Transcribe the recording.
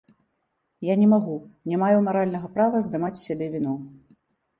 Я не магу, не маю маральнага права здымаць з сябе віну.